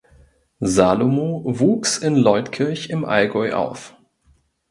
Salomo wuchs in Leutkirch im Allgäu auf.